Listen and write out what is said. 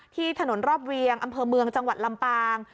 ที่ถนนรอบเวียงอำเภอเมืองจังหวัดลำปาง